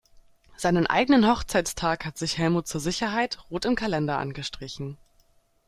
Seinen eigenen Hochzeitstag hat sich Helmut zur Sicherheit rot im Kalender angestrichen.